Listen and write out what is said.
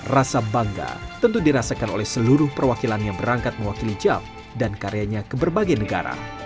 rasa bangga tentu dirasakan oleh seluruh perwakilan yang berangkat mewakili jav dan karyanya ke berbagai negara